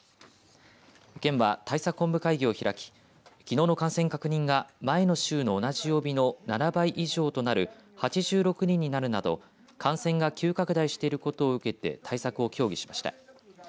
県は対策本部会議を開ききのうの感染確認が前の週の同じ曜日の７倍以上となる８６人になるなど感染が急拡大していることを受けて対策を協議しました。